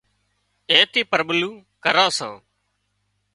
اين ٿي پرٻلوُن ڪران سان